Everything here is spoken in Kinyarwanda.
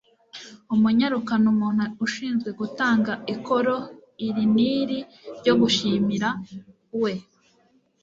Umunyarukano umuntu ushinzwe gutanga ikoro iri niri ryo gushimira we